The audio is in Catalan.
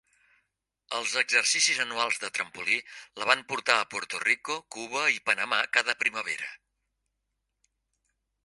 Els exercicis anuals de trampolí la van portar a Puerto Rico, Cuba i Panamà cada primavera.